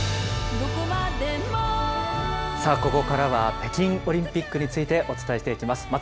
さあ、ここからは北京オリンピックについてお伝えしていきます。